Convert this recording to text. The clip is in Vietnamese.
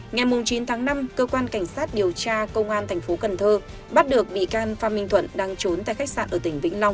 ngày chín tháng năm cơ quan cảnh sát điều tra công an thành phố cần thơ bắt được bị can phan minh thuận đang trốn tại khách sạn ở tỉnh vĩnh long